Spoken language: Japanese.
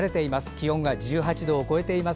気温は１８度超えています。